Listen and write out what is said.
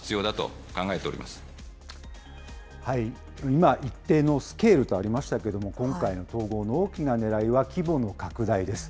今、一定のスケールとありましたけれども、今回の統合の大きなねらいは、規模の拡大です。